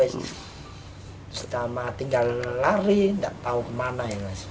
setelah tinggal lari nggak tahu kemana